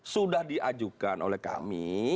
sudah diajukan oleh kami